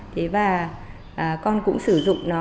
thế và con cũng sử dụng nó